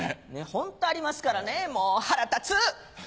ホントありますからねもう腹立つ！